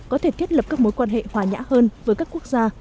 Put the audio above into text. có thể thiết lập các mối quan hệ hòa nhã hơn với các quốc gia